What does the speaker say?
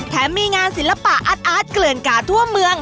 มีงานศิลปะอาร์ตเกลื่อนกาทั่วเมือง